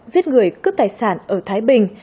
giết người cướp tài sản ở thái bình